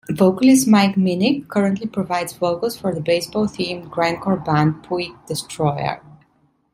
Vocalist Mike Minnick currently provides vocals for the baseball-themed grindcore band Puig Destroyer.